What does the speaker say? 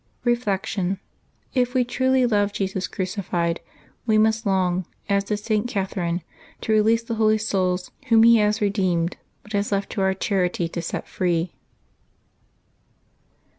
Reflection. — If we truly love Jesus crucified, we must long, as did St. Catherine, to release the Holy Souls whom He has redeemed but has left to our charity to set free.